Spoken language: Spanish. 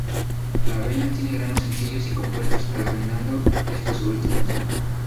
La avena tiene granos sencillos y compuestos predominando estos últimos.